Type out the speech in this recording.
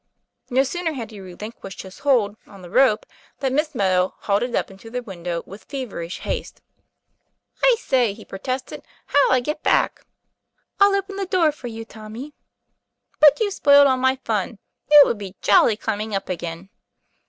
No sooner had he relinquished his hold on 12 TOM PLAYFAIR. the rope than Miss Meadow hauled it up into the window with feverish haste. "I say," he protested, "how'll I get back?" ''I'll open the door for you, Tommy." 'But you've spoiled all my fun; it would be jolly climbing up again."